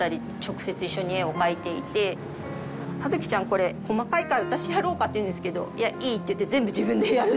これ細かいから私やろうか」って言うんですけど「いやいい」って言って全部自分でやるっていう。